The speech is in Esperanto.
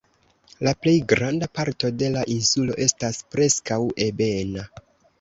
La plej granda parto de la insulo estas preskaŭ ebena.